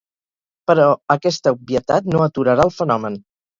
Però aquesta obvietat no aturarà el fenomen.